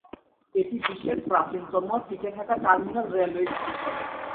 এটি বিশ্বের প্রাচীনতম টিকে থাকা টার্মিনাল রেলওয়ে স্টেশন।